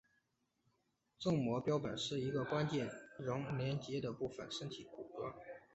正模标本是一个关节仍连阶的部分身体骨骼。